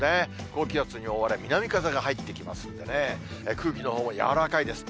高気圧に覆われ、南風が入ってきますんでね、空気のほうも柔らかいです。